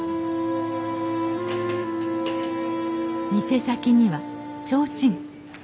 店先には提灯。